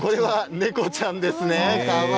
猫ちゃんですね。